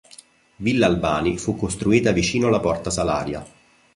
Villa Albani fu costruita vicino alla Porta Salaria.